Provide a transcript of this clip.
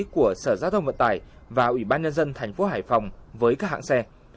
của sở giao thông vận tải và ủy ban nhân dân thành phố hải phòng với các hãng xe